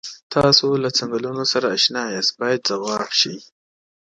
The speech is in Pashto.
تاسو له څنګلونو سره اشنا یاست باید ځواب شي.